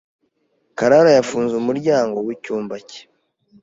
Karara yafunze umuryango w'icyumba cye.